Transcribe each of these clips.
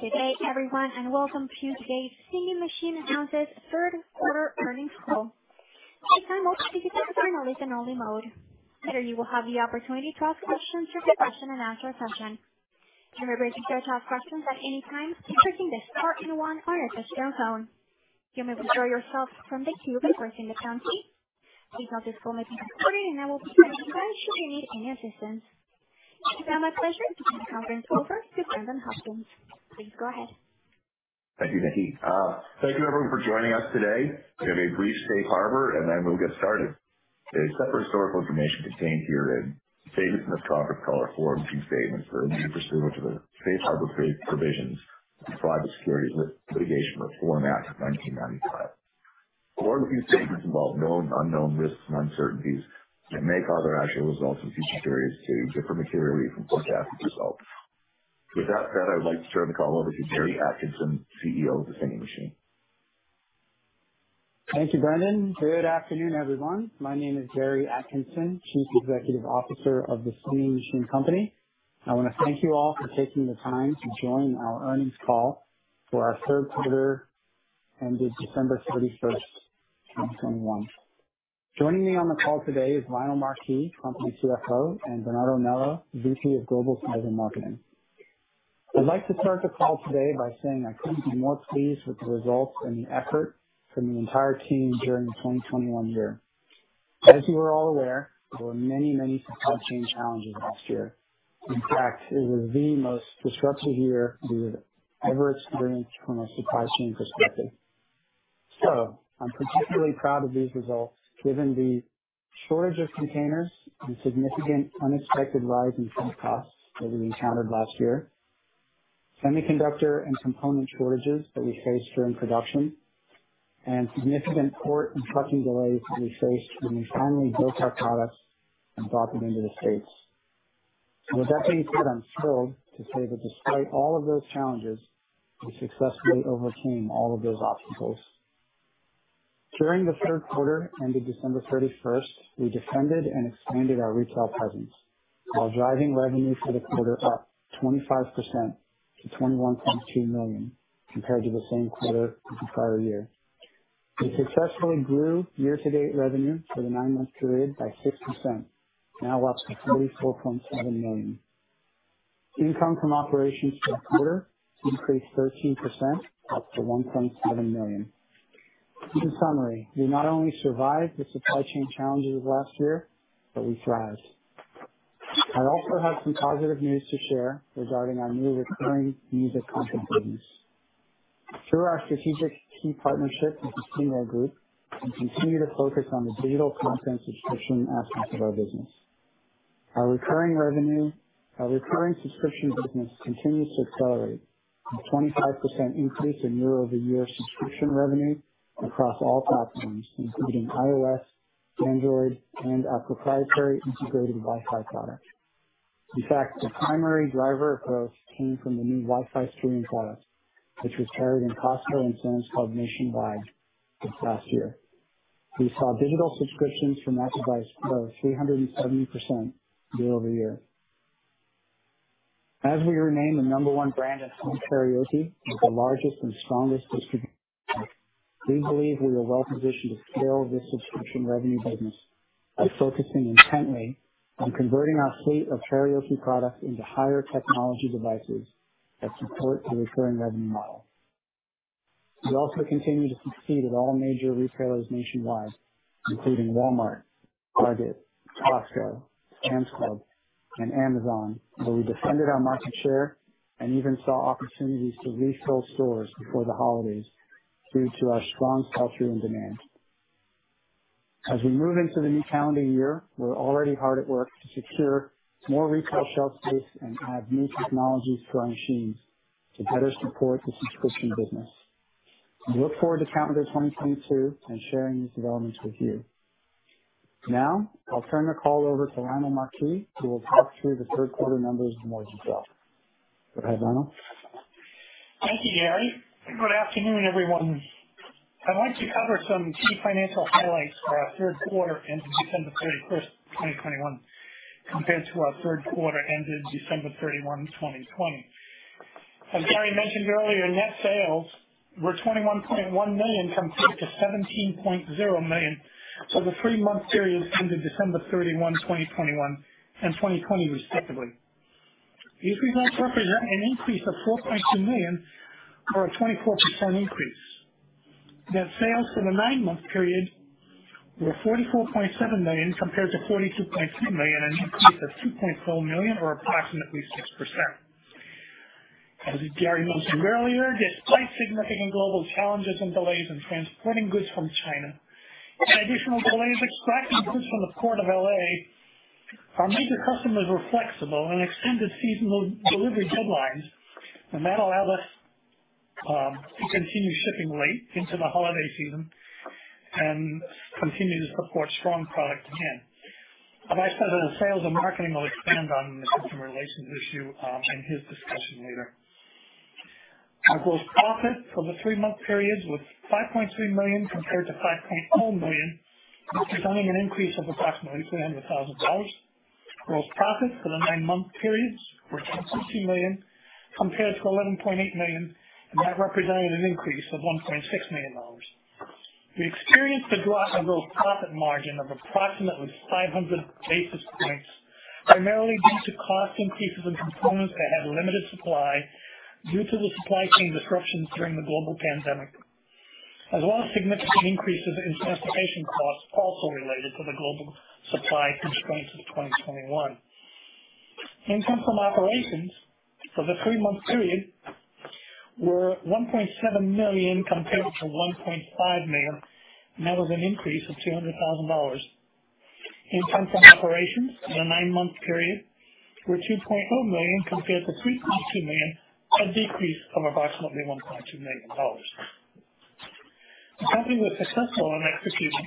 Good day, everyone, and welcome to today's Singing Machine Announces Third Quarter Earnings Call. At this time, I'll ask you to put your phone in listen-only mode. Later, you will have the opportunity to ask questions during the question-and-answer session. You may begin to ask questions at any time by pressing the star two one on your touch-tone phone. You may withdraw yourself from the queue by pressing the pound key. Please note this call may be recorded, and I will be standing by should you need any assistance. It is now my pleasure to turn the conference over to Brendan Hopkins. Please go ahead. Thank you, Nikki. Thank you everyone for joining us today. We have a brief safe harbor, and then we'll get started. The statements in this conference call contained herein are forward-looking statements that are made pursuant to the Safe Harbor provisions of the Private Securities Litigation Reform Act of 1995. Forward-looking statements involve known and unknown risks and uncertainties that may cause actual results in future periods to differ materially from forecasted results. With that said, I would like to turn the call over to Gary Atkinson, CEO of the Singing Machine. Thank you, Brendan. Good afternoon, everyone. My name is Gary Atkinson, Chief Executive Officer of The Singing Machine Company. I wanna thank you all for taking the time to join our earnings call for our third quarter ended December 31st, 2021. Joining me on the call today is Lionel Marquis, Company CFO, and Bernardo Melo, VP of Global Sales and Marketing. I'd like to start the call today by saying I couldn't be more pleased with the results and the effort from the entire team during the 2021 year. As you are all aware, there were many, many supply chain challenges last year. In fact, it was the most disruptive year we have ever experienced from a supply chain perspective. I'm particularly proud of these results given the shortage of containers and significant unexpected rise in freight costs that we encountered last year, semiconductor and component shortages that we faced during production, and significant port and trucking delays that we faced when we finally built our products and brought them into the States. With that being said, I'm thrilled to say that despite all of those challenges, we successfully overcame all of those obstacles. During the third quarter ended December 31st, we defended and expanded our retail presence while driving revenue for the quarter up 25% to $21.2 million compared to the same quarter the prior year. We successfully grew year-to-date revenue for the nine-month period by 6%, now up to $44.7 million. Income from operations for the quarter increased 13%, up to $1.7 million. In summary, we not only survived the supply chain challenges of last year, but we thrived. I also have some positive news to share regarding our new recurring music content business. Through our strategic key partnership with Stingray, we continue to focus on the digital content subscription aspects of our business. Our recurring subscription business continues to accelerate, with a 25% increase in year-over-year subscription revenue across all platforms, including iOS, Android, and our proprietary integrated Wi-Fi product. In fact, the primary driver of growth came from the new Wi-Fi streaming product, which was carried in Costco and Sam's Club nationwide this past year. We saw digital subscriptions from that device grow 370% year-over-year. As we were named the number one brand in home karaoke with the largest and strongest distribution, we believe we are well positioned to scale this subscription revenue business by focusing intently on converting our fleet of karaoke products into higher technology devices that support the recurring revenue model. We also continue to succeed with all major retailers nationwide, including Walmart, Target, Costco, Sam's Club, and Amazon, where we defended our market share and even saw opportunities to reshell stores before the holidays due to our strong sell-through and demand. As we move into the new calendar year, we're already hard at work to secure more retail shelf space and add new technologies to our machines to better support the subscription business. We look forward to calendar 2022 and sharing these developments with you. Now I'll turn the call over to Lionel Marquis, who will talk through the third quarter numbers in more detail. Go ahead, Lionel. Thank you, Gary. Good afternoon, everyone. I'd like to cover some key financial highlights for our third quarter ending December 31st, 2021, compared to our third quarter ending December 31, 2020. As Gary mentioned earlier, net sales were $21.1 million compared to $17.0 million for the three-month period ending December 31, 2021 and 2020, respectively. These results represent an increase of $4.2 million or a 24% increase. Net sales for the nine-month period were $44.7 million compared to $42.3 million, an increase of $2.4 million or approximately 6%. As Gary mentioned earlier, despite significant global challenges and delays in transporting goods from China and additional delays extracting goods from the Port of L.A., our major customers were flexible and extended seasonal delivery deadlines, and that allowed us to continue shipping late into the holiday season and continue to support strong product demand. Our vice president of sales and marketing will expand on the customer relations issue in his discussion later. Our gross profit for the 3-month period was $5.3 million compared to $5.4 million, representing an increase of approximately $300 thousand. Gross profit for the 9-month periods were $10.2 million compared to $11.8 million, and that represented an increase of $1.6 million. We experienced a drop in gross profit margin of approximately 500 basis points, primarily due to cost increases in components that had limited supply due to the supply chain disruptions during the global pandemic, as well as significant increases in transportation costs also related to the global supply constraints of 2021. Income from operations for the three-month period were $1.7 million compared to $1.5 million, and that was an increase of $200,000. Income from operations for the nine-month period were $2.0 million compared to $3.2 million, a decrease of approximately $1.2 million. The company was successful in executing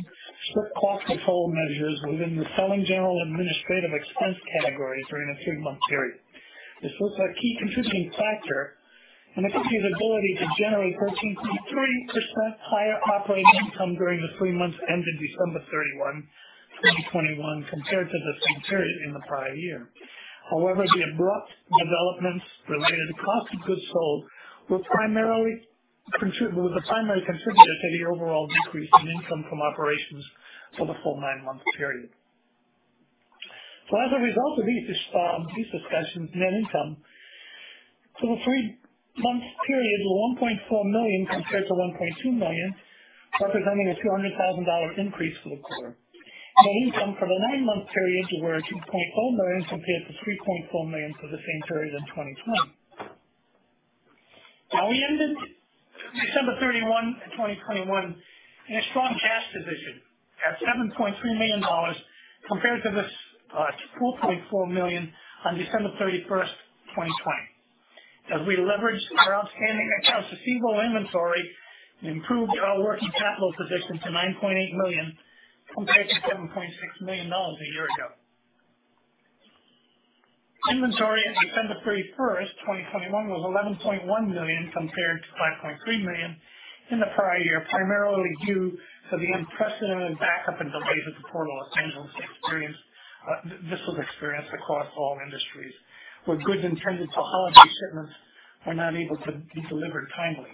strict cost control measures within the selling general administrative expense category during the three-month period. This was a key contributing factor in the company's ability to generate 13.3% higher operating income during the three months ended December 31, 2021 compared to the same period in the prior year. However, the abrupt developments related to cost of goods sold was a primary contributor to the overall decrease in income from operations for the full nine-month period. As a result of these discussions, net income for the three-month period was $1.4 million compared to $1.2 million, representing a $200,000 increase for the quarter. Net income for the nine-month period were $2.0 million compared to $3.4 million for the same period in 2020. Now we ended December 31, 2021, in a strong cash position at $7.3 million compared to this, $4.4 million on December 31st, 2020. As we leveraged our outstanding accounts receivable, inventory and improved our working capital position to $9.8 million compared to $7.6 million a year ago. Inventory at December 31st, 2021, was $11.1 million compared to $5.3 million in the prior year, primarily due to the unprecedented backup and delays at the Port of Los Angeles experienced. This was experienced across all industries, where goods intended for holiday shipments were not able to be delivered timely.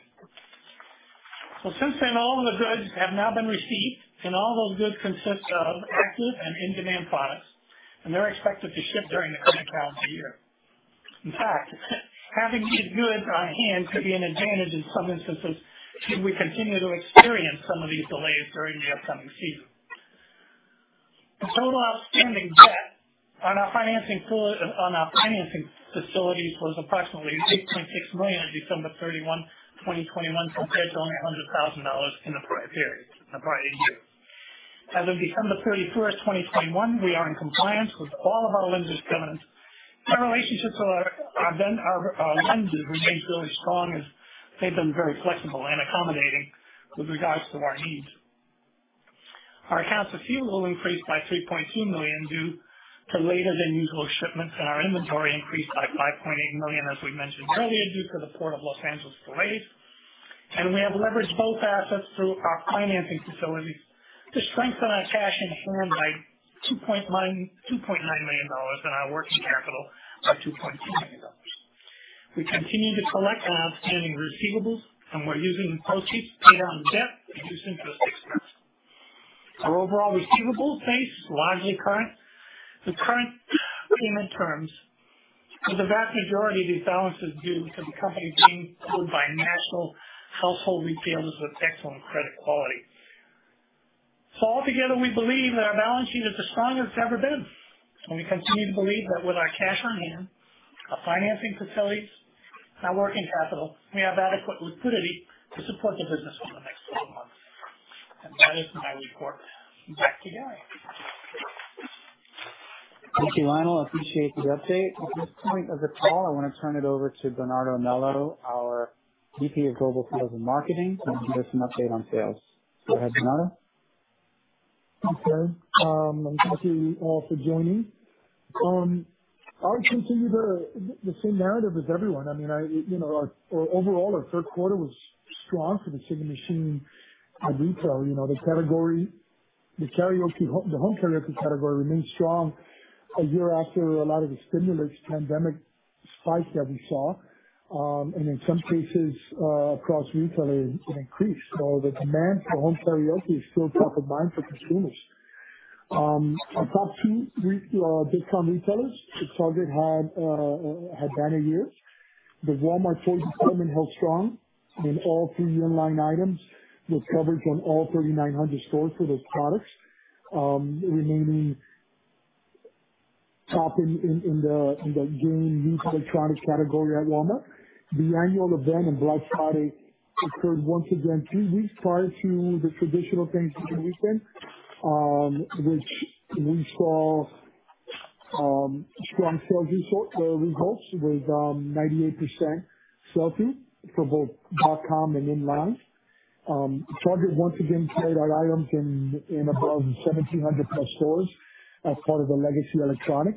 Since then, all of the goods have now been received, and all those goods consist of active and in-demand products, and they're expected to ship during the coming calendar year. In fact, having these goods on hand could be an advantage in some instances should we continue to experience some of these delays during the upcoming season. The total outstanding debt on our financing pool, on our financing facilities was approximately $6.6 million on December 31, 2021, compared to only $100,000 in the prior period, in the prior year. As of December 31st, 2021, we are in compliance with all of our lender's covenants. Our relationships with our lenders remain really strong as they've been very flexible and accommodating with regards to our needs. Our accounts receivable increased by $3.2 million due to later than usual shipments, and our inventory increased by $5.8 million, as we mentioned earlier, due to the Port of Los Angeles delays. We have leveraged both assets through our financing facilities to strengthen our cash on hand by $2.9 million and our working capital by $2.2 million. We continue to collect on outstanding receivables, and we're using proceeds to pay down debt and reduce interest expense. Our overall receivables base is largely current, with current payment terms, with the vast majority of these balances due to the company being sold by national household retailers with excellent credit quality. Altogether, we believe that our balance sheet is as strong as it's ever been, and we continue to believe that with our cash on hand, our financing facilities, our working capital, we have adequate liquidity to support the business over the next 12 months. That is my report. Back to you, Gary. Thank you, Lionel. Appreciate the update. At this point of the call, I want to turn it over to Bernardo Melo, our VP of Global Sales and Marketing, to give us an update on sales. Go ahead, Bernardo. Okay. Thank you all for joining. I would continue the same narrative as everyone. I mean, you know, our overall third quarter was strong for the Singing Machine retail. You know, the category, the home karaoke category remains strong a year after a lot of the stimulus pandemic spike that we saw, and in some cases, across retail it increased. The demand for home karaoke is still top of mind for consumers. Our top two big time retailers, so Target had banner years. The Walmart toy department held strong in all three yearline items, with coverage on all 3,900 stores for those products, remaining top in the game new electronics category at Walmart. The annual event on Black Friday occurred once again two weeks prior to the traditional Thanksgiving weekend, which we saw strong sales results with 98% sell-through for both dot-com and online. Target once again carried our items in about 1,700+ stores as part of the legacy electronic.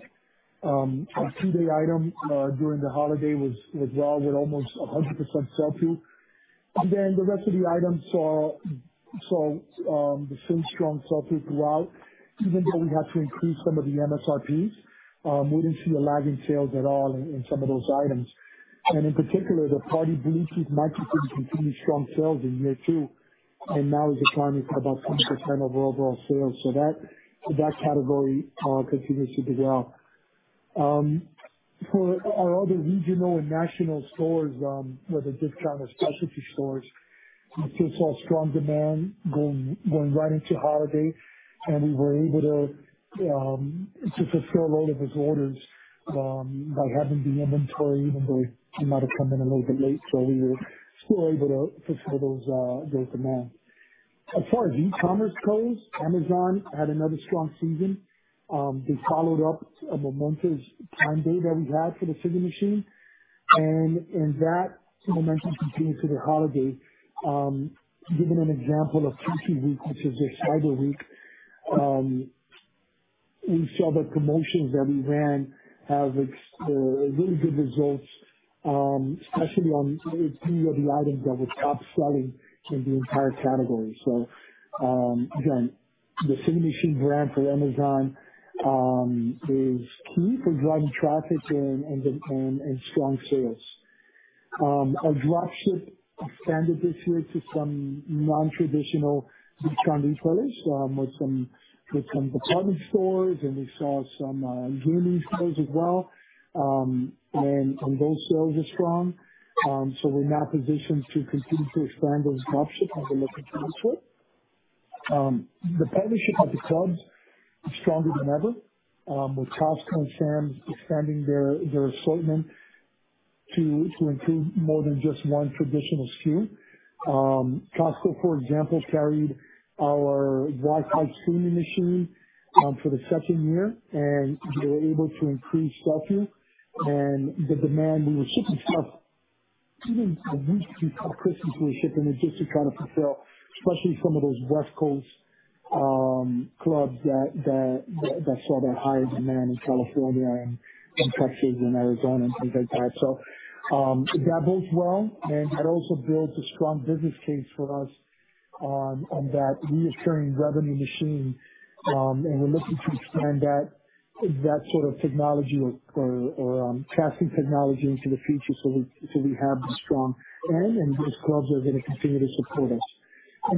Our two-day item during the holiday sold well with almost 100% sell-through. The rest of the items saw the same strong sell-through throughout. Even though we had to increase some of the MSRPs, we didn't see a lag in sales at all in some of those items. In particular, the Party Machine gifts continued strong sales in year two and now is accounting for about 10% of overall sales. That category continues to do well. For our other regional and national stores, whether discount or specialty stores, we still saw strong demand going right into holiday. We were able to fulfill a lot of those orders by having the inventory, even though it might have come in a little bit late. We were still able to fulfill those demands. As far as e-commerce goes, Amazon had another strong season. They followed up a momentous Prime Day that we had for the Singing Machine. That momentum continued through the holiday. Giving an example of Cyber Week, which is their Cyber Week, we saw the promotions that we ran have really good results, especially on three of the items that were top-selling in the entire category. Again, the Singing Machine brand for Amazon is key for driving traffic and strong sales. Our drop ship expanded this year to some nontraditional discount retailers with some department stores, and we saw some gaming stores as well. Those sales are strong. We're now positioned to continue to expand those drop ships as we look into this year. The partnership at the clubs is stronger than ever with Costco and Sam's expanding their assortment to include more than just one traditional SKU. Costco, for example, carried our Wi-Fi Singing Machine for the second year, and they were able to increase sell-through. The demand, we were shipping stuff even a week before Christmas, we were shipping it just to try to fulfill, especially some of those West Coast clubs that saw that high demand in California and in Texas and Arizona and things like that. That bodes well, and it also builds a strong business case for us on that recurring revenue machine. We're looking to expand that sort of technology or testing technology into the future so we have a strong brand, and those clubs are gonna continue to support us.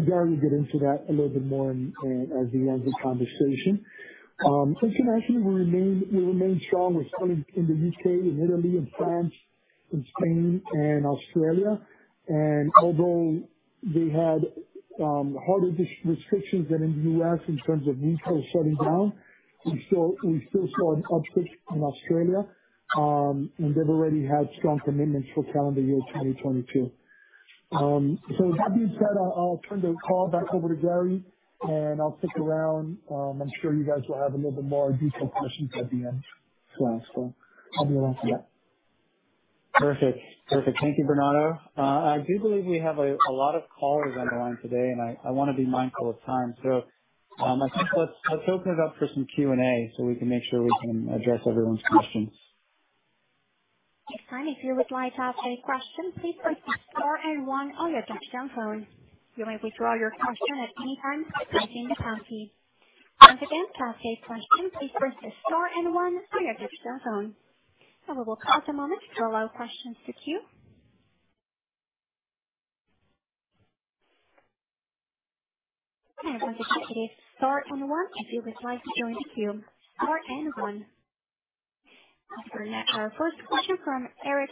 Gary will get into that a little bit more in as we end the conversation. Internationally we remain strong. We're selling in the U.K., in Italy, in France, in Spain, and Australia. Although they had harder restrictions than in the U.S. in terms of retailers shutting down, we still saw an uptick in Australia. They've already had strong commitments for calendar year 2022. With that being said, I'll turn the call back over to Gary, and I'll stick around. I'm sure you guys will have a little bit more detailed questions at the end as well, so I'll be around for that. Perfect. Thank you, Bernardo. I do believe we have a lot of callers on the line today, and I wanna be mindful of time. I think let's open it up for some Q&A so we can make sure we can address everyone's questions. If you would like to ask a question, please press star and one on your touchtone phone. You may withdraw your question at any time by pressing the pound key. Once again, to ask a question, please press star and one on your touchtone phone. We will pause a moment to allow questions to queue. Once again, it is star and one if you would like to join the queue. Star and one. After next, our first question from Eric.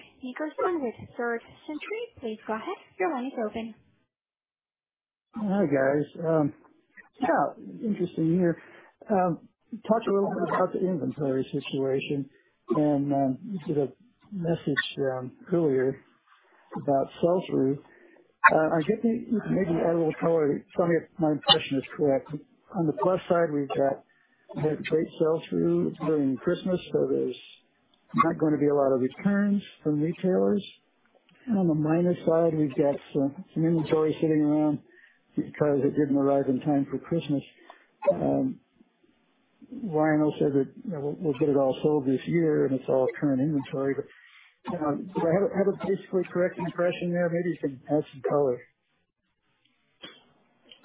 Hi, guys. Yeah, interesting year. Talk a little bit about the inventory situation and you gave a message earlier about sell-through. Maybe add a little color. Tell me if my impression is correct. On the plus side, we had great sell-through during Christmas, so there's not gonna be a lot of returns from retailers. On the minus side, we've got some inventory sitting around because it didn't arrive in time for Christmas. Lionel said that, you know, we'll get it all sold this year, and it's all current inventory. Do I have a basically correct impression there? Maybe you can add some color.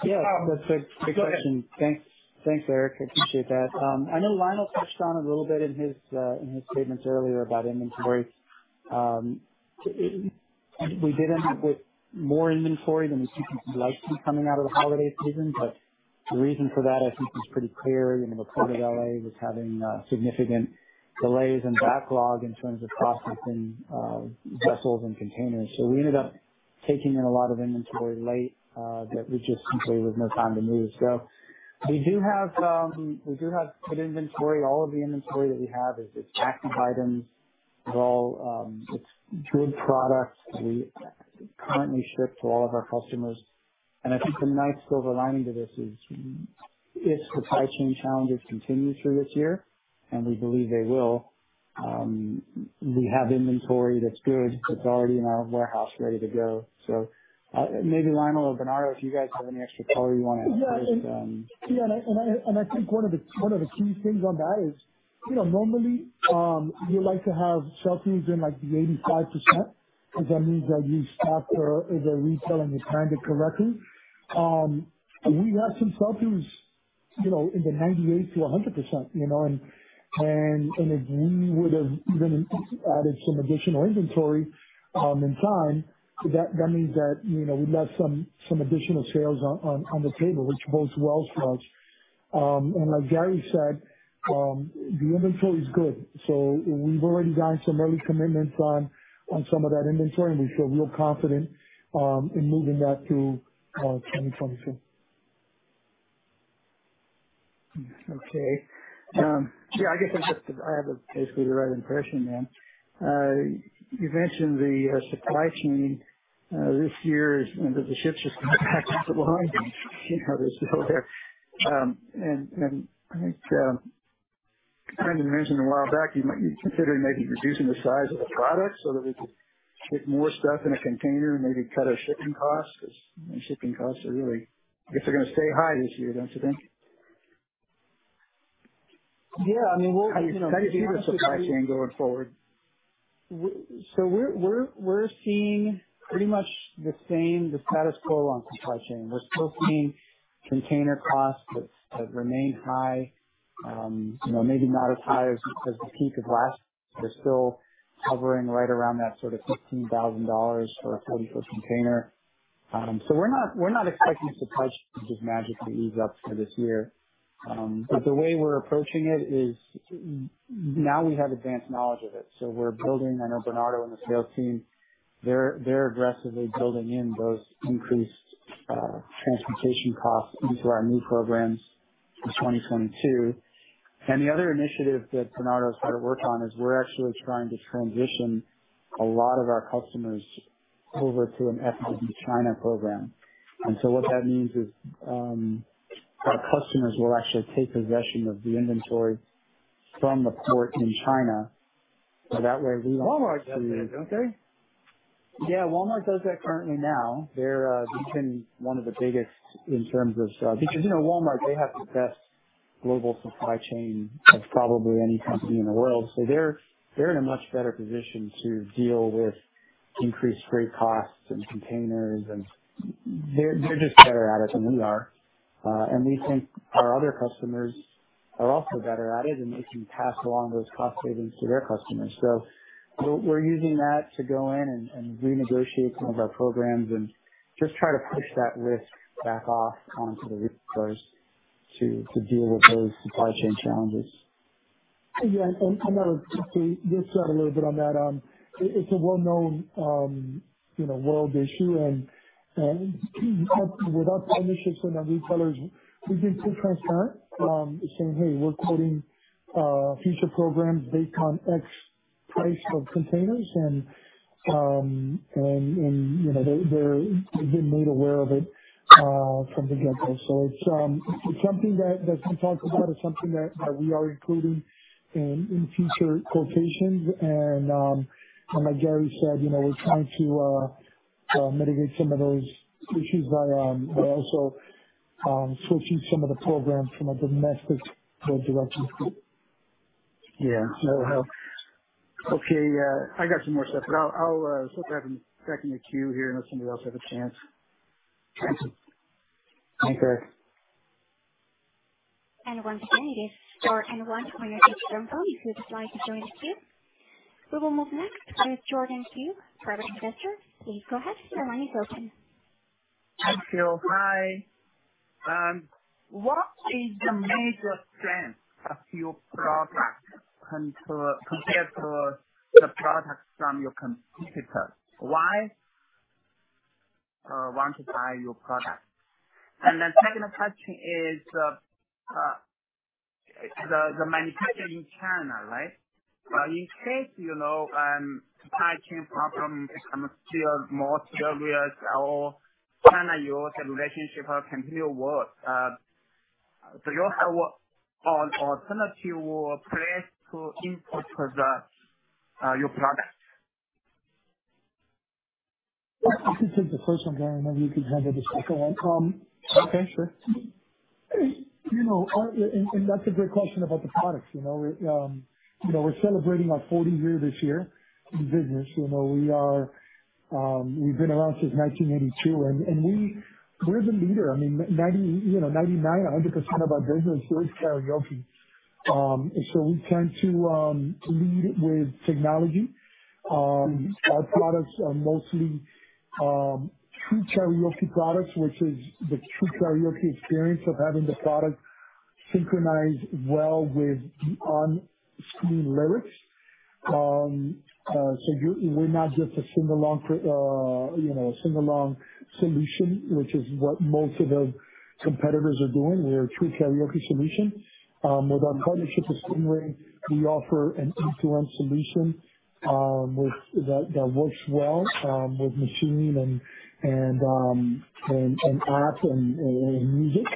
Yeah. That's a great question. Go ahead. Thanks. Thanks, Eric. I appreciate that. I know Lionel touched on a little bit in his statements earlier about inventory. We did end up with more inventory than we typically like to coming out of the holiday season, but the reason for that I think is pretty clear. You know, the port of L.A. was having significant delays and backlog in terms of processing vessels and containers. So we ended up taking in a lot of inventory late that we just simply had no time to move. So we do have good inventory. All of the inventory that we have is active items. It's good products that we currently ship to all of our customers. I think the nice silver lining to this is if the supply chain challenges continue through this year, and we believe they will, we have inventory that's good, that's already in our warehouse ready to go. Maybe Lionel or Bernardo, if you guys have any extra color you wanna add first, I think one of the key things on that is, you know, normally you like to have sell-throughs in like the 85%, because that means that you stocked for the retail and you timed it correctly. We have some sell-throughs. You know, in the 98%-100%, you know. If we would have even added some additional inventory in time, that means that, you know, we left some additional sales on the table, which bodes well for us. Like Gary said, the inventory is good. So we've already got some early commitments on some of that inventory, and we feel real confident in moving that to 2022. Okay. Yeah, I guess I have basically the right impression then. You mentioned the supply chain this year, one of the ships just coming back into the line. You know, they're still there. And I think you kind of mentioned a while back, you might be considering maybe reducing the size of the product so that we could get more stuff in a container and maybe cut our shipping costs. Because shipping costs are really, I guess, gonna stay high this year, don't you think? Yeah. I mean, How do you see the supply chain going forward? We're seeing pretty much the same status quo on supply chain. We're still seeing container costs that remain high. You know, maybe not as high as the peak of last. We're still hovering right around that sort of $15,000 for a 40-foot container. We're not expecting supply chain to just magically ease up for this year. The way we're approaching it is now we have advanced knowledge of it, so we're building. I know Bernardo and the sales team, they're aggressively building in those increased transportation costs into our new programs for 2022. The other initiative that Bernardo started work on is we're actually trying to transition a lot of our customers over to an FOB China program. What that means is, our customers will actually take possession of the inventory from the port in China. That way we won't have to- Walmart does that, don't they? Yeah, Walmart does that currently now. They've been one of the biggest in terms of, because, you know, Walmart, they have the best global supply chain of probably any company in the world. So they're in a much better position to deal with increased freight costs and containers, and they're just better at it than we are. And we think our other customers are also better at it, and they can pass along those cost savings to their customers. So we're using that to go in and renegotiate some of our programs and just try to push that risk back off onto the retailers to deal with those supply chain challenges. Yeah. I'm gonna just say this a little bit on that. It's a well-known, you know, world issue. With our partnerships and our retailers, we've been too transparent, saying, "Hey, we're quoting future programs based on X price of containers." You know, they've been made aware of it from the get-go. It's something we talk about. It's something we are including in future quotations. Like Gary said, you know, we're trying to mitigate some of those issues by also switching some of the programs from a domestic direction. Yeah, that'll help. Okay. I got some more stuff, but I'll still grab back in the queue here and let somebody else have a chance. Thank you. Thanks, Eric. We will move next with Jordan Hu, Private Investor. Please go ahead. Your line is open. Thank you. Hi. What is the major strength of your product compared to the products from your competitor? Why want to buy your product? The second question is, the manufacturer in China, right? In case, you know, supply chain problem become still more serious, how China your relationship will continue work. You have an alternative place to import products, your products? I can take the first one, Gary, and then you can handle the second one. Okay, sure. You know, that's a great question about the products. You know, we're celebrating our 40th year this year in business. You know, we are, we've been around since 1982. We're the leader. I mean, 99%-100% of our business is karaoke. So we tend to lead with technology. Our products are mostly true karaoke products, which is the true karaoke experience of having the product synchronize well with on-screen lyrics. So we're not just a sing-along solution, which is what most of the competitors are doing. We are a true karaoke solution. With our partnership with Stingray, we offer an end-to-end solution that works well with machine and app and music.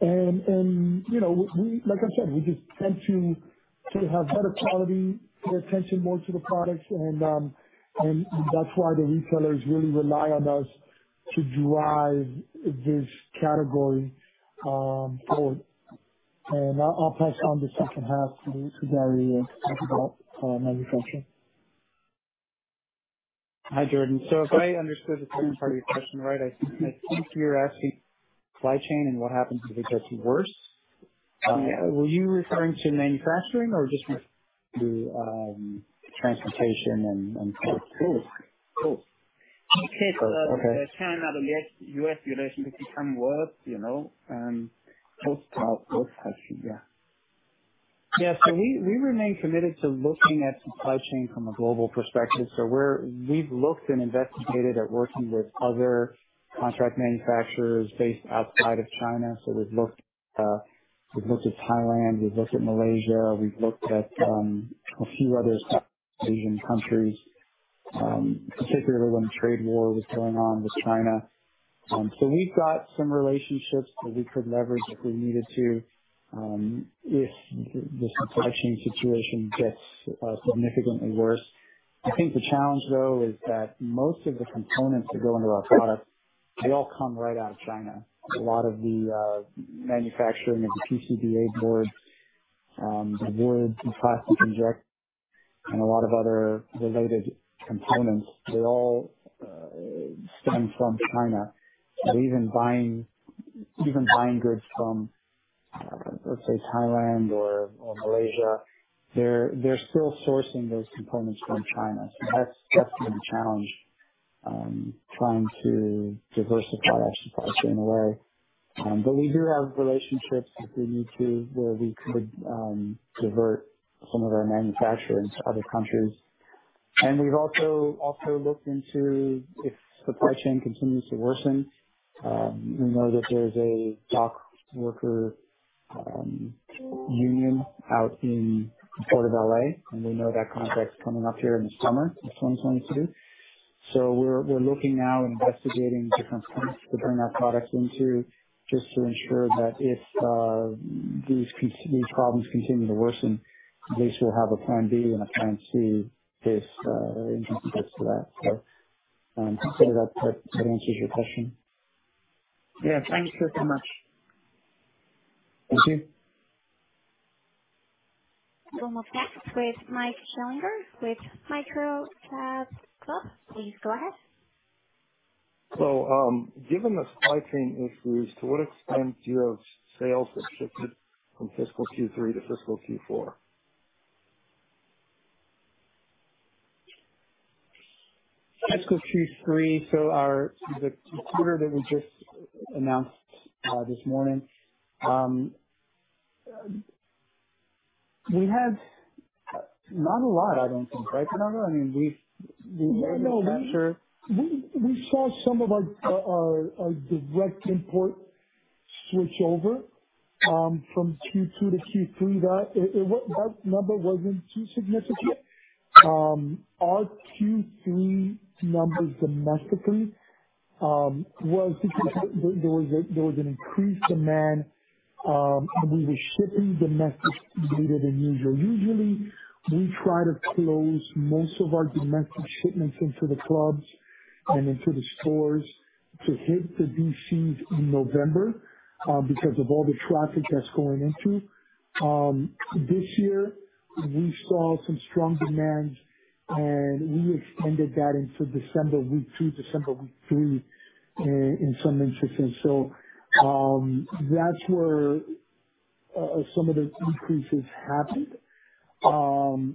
You know, like I said, we just tend to have better quality, pay attention more to the products. That's why the retailers really rely on us to drive this category forward. I'll pass on the second half to Gary to talk about manufacturing. Hi, Jordan. If I understood the first part of your question right, I think you're asking supply chain and what happens if it gets worse. Were you referring to manufacturing or just to transportation and port? Both. Okay. In case the China-U.S. relations become worse, you know, what has, yeah. Yeah. We remain committed to looking at supply chain from a global perspective. We've looked and investigated at working with other contract manufacturers based outside of China. We've looked at Thailand, we've looked at Malaysia, we've looked at a few other Southeast Asian countries, particularly when the trade war was going on with China. We've got some relationships that we could leverage if we needed to, if the supply chain situation gets significantly worse. I think the challenge, though, is that most of the components that go into our products, they all come right out of China. A lot of the manufacturing of the PCBA boards, the boards, the plastic injection and a lot of other related components, they all stem from China. Even buying goods from, let's say, Thailand or Malaysia, they're still sourcing those components from China. That's definitely a challenge trying to diversify our supply chain away. We do have relationships if we need to, where we could divert some of our manufacturing to other countries. We've also looked into if supply chain continues to worsen, we know that there's a dock worker union out in the port of L.A., and we know that contract's coming up here in the summer of 2022. We're looking now and investigating different ports to bring our products into, just to ensure that if these problems continue to worsen, at least we'll have a plan B and a plan C if anything gets to that. Hopefully that answers your question. Yeah. Thank you so much. Thank you. We'll move next with Mike Schillinger with MicroCapClub. Please go ahead. Given the supply chain issues, to what extent do you have sales that shifted from fiscal Q3 to fiscal Q4? Fiscal Q3, the quarter that we just announced this morning. We had not a lot, I don't think. Right, Bernardo? I mean, we manufacture- No, we saw some of our direct import switchover from Q2 to Q3. That number wasn't too significant. Our Q3 numbers domestically was significant. There was an increased demand. We were shipping domestic later than usual. Usually, we try to close most of our domestic shipments into the clubs and into the stores to hit the DCs in November because of all the traffic that's going into. This year we saw some strong demands, and we extended that into December week two, December week three in some instances. That's where some of the increases happened. Some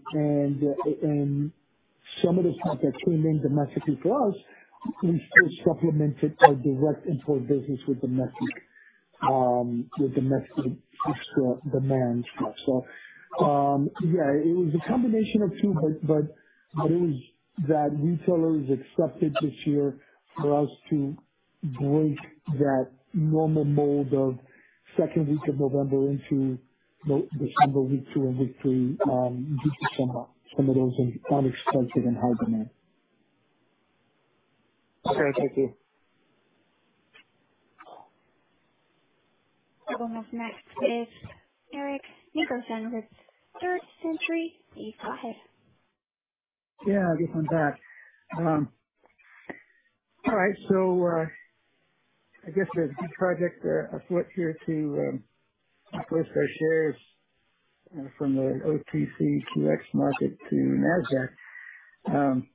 of the stuff that came in domestically for us, we still supplemented our direct import business with domestic extra demand. Yeah, it was a combination of two, but it was that retailers expected this year for us to break that normal mold of second week of November into December week two and week three, due to some of those unexpected and high demand. Okay. Thank you. The one who's next is Eric Nickerson with Third Century. Please go ahead. Yeah, I'll get one back. All right. I guess there's a good project afoot here to uplist our shares from the OTCQX market to NASDAQ. Can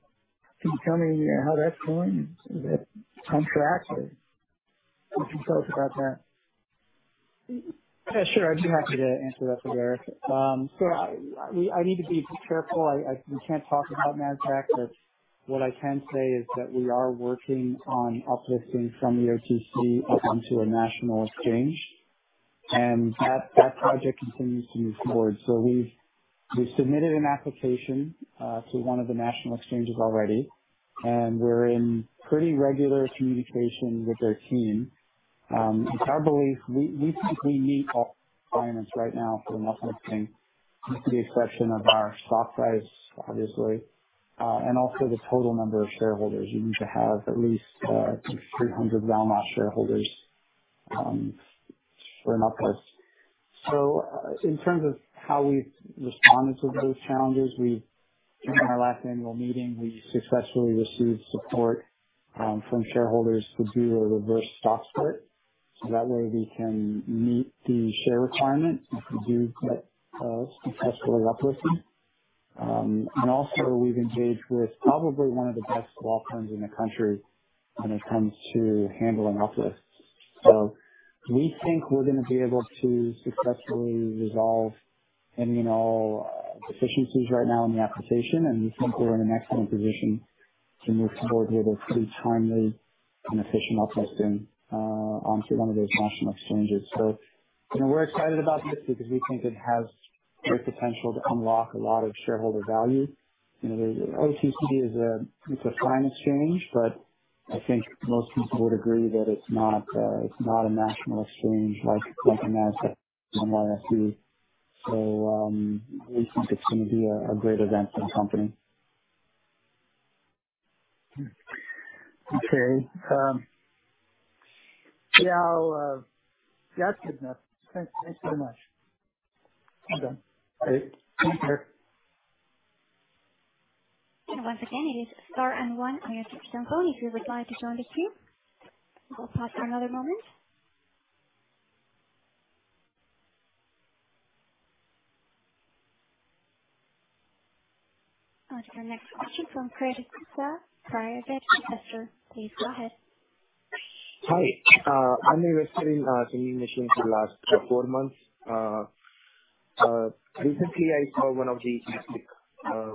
you tell me how that's going? Is it on track, or what can you tell us about that? Yeah, sure. I'd be happy to answer that for Eric. I need to be careful. We can't talk about NASDAQ, but what I can say is that we are working on uplisting from the OTC up onto a national exchange, and that project continues to move forward. We've submitted an application to one of the national exchanges already, and we're in pretty regular communication with their team. It's our belief we think we meet all the requirements right now for the national exchange with the exception of our stock price, obviously, and also the total number of shareholders. You need to have at least 300 well-known shareholders for an uplist. In terms of how we've responded to those challenges, during our last annual meeting, we successfully received support from shareholders to do a reverse stock split. That way we can meet the share requirement if we do get a successful uplisting. And also we've engaged with probably one of the best law firms in the country when it comes to handling uplists. We think we're gonna be able to successfully resolve any, you know, deficiencies right now in the application. We think we're in an excellent position to move forward with a pretty timely and efficient uplisting onto one of those national exchanges. You know, we're excited about this because we think it has great potential to unlock a lot of shareholder value. You know, the OTC is a fine exchange, but I think most people would agree that it's not a national exchange like NASDAQ or NYSE. We think it's gonna be a great event for the company. Okay. That's good enough. Thanks very much. I'm done. All right. Take care. Once again, it is star and one on your touchtone phone if you would like to join the queue. I'll pause for another moment. On to our next question from Kritik Gupta, Private Investor. Please go ahead. Hi. I'm investing in Singing Machine for the last four months. Recently I saw one of the electric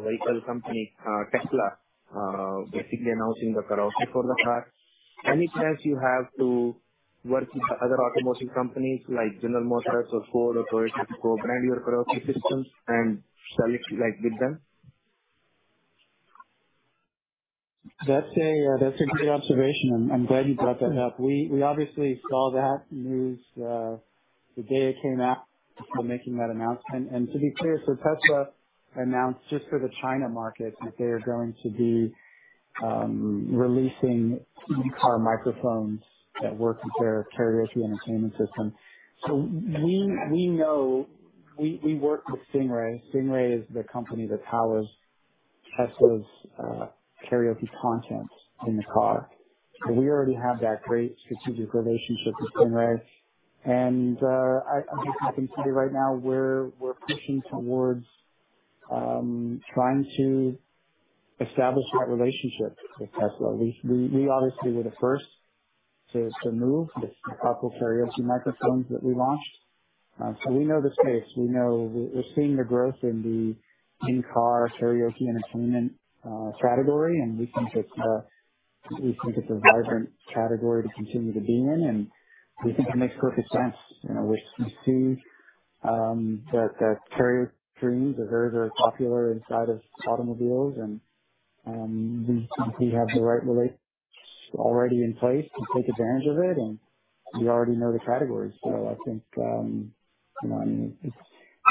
vehicle company, Tesla, basically announcing the karaoke for the car. Any chance you have to work with other automotive companies like General Motors or Ford or Toyota to co-brand your karaoke systems and sell it, like, with them? That's a great observation. I'm glad you brought that up. We obviously saw that news the day it came out before making that announcement. Tesla announced just for the China market that they are going to be releasing in-car microphones that work with their karaoke entertainment system. We know we work with Stingray. Stingray is the company that powers Tesla's karaoke content in the car. We already have that great strategic relationship with Stingray. I'm happy to say right now we're pushing towards trying to establish that relationship with Tesla. We obviously were the first to move the portable karaoke microphones that we launched. We know the space. We know we're seeing the growth in the in-car karaoke entertainment category. We think it's a vibrant category to continue to be in, and we think it makes perfect sense. You know, we see that the karaoke rooms are very, very popular inside of automobiles and we think we have the right relations already in place to take advantage of it, and we already know the category. I think, you know, I mean, it's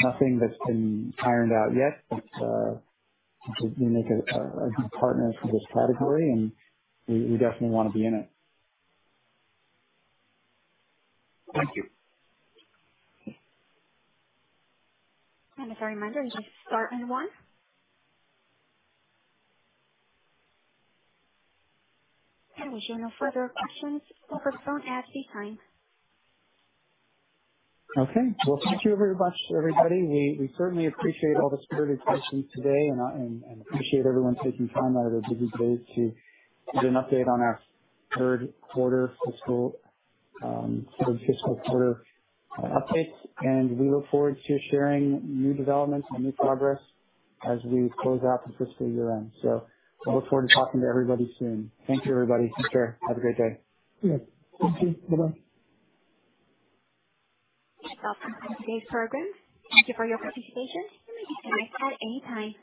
nothing that's been ironed out yet. We think we make a good partner for this category, and we definitely wanna be in it. Thank you. As a reminder, just star one. As you have no further questions, we'll close the call at this time. Okay. Well, thank you very much to everybody. We certainly appreciate all the spirited questions today and appreciate everyone taking time out of their busy days to get an update on our third quarter fiscal sort of fiscal quarter updates. We look forward to sharing new developments and new progress as we close out the fiscal year-end. I look forward to talking to everybody soon. Thank you, everybody. Take care. Have a great day. Yeah. Thank you. Bye-bye. That concludes today's program. Thank you for your participation. You may disconnect at any time.